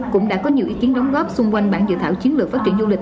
cũng đã có nhiều ý kiến đóng góp xung quanh bản dự thảo chiến lược phát triển du lịch